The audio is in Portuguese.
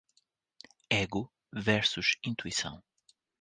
Ego versus intuição